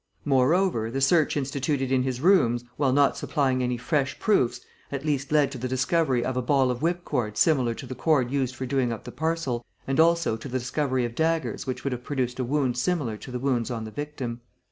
Moreover, the search instituted in his rooms, while not supplying any fresh proofs, at least led to the discovery of a ball of whip cord similar to the cord used for doing up the parcel and also to the discovery of daggers which would have produced a wound similar to the wounds on the victim.